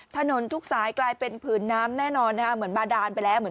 ถนนทุกสายกลายเป็นผืนน้ำแน่นอนนะคะเหมือนบาดานไปแล้วเหมือน